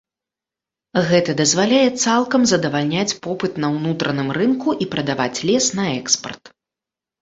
Гэта дазваляе цалкам задавальняць попыт на ўнутраным рынку і прадаваць лес на экспарт.